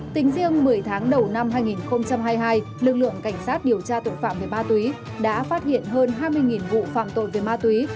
tính riêng một mươi tháng đầu năm hai nghìn hai mươi hai lực lượng cảnh sát điều tra tội phạm về ma túy đã phát hiện hơn hai mươi vụ phạm tội về ma túy